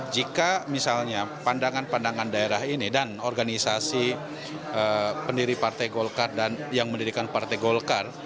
jika misalnya pandangan pandangan daerah ini dan organisasi pendiri partai golkar dan yang mendirikan partai golkar